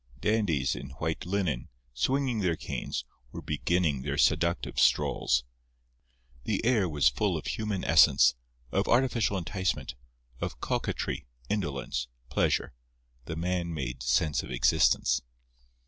Dandies in white linen, swinging their canes, were beginning their seductive strolls. The air was full of human essence, of artificial enticement, of coquetry, indolence, pleasure—the man made sense of existence.